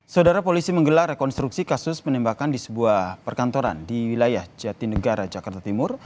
saudara polisi menggelar rekonstruksi kasus penembakan di sebuah perkantoran di wilayah jatinegara jakarta timur